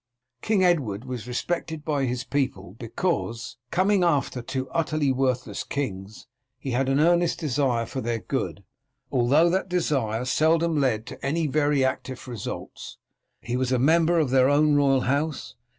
King Edward was respected by his people because, coming after two utterly worthless kings, he had an earnest desire for their good, although that desire seldom led to any very active results. He was a member of their own royal house.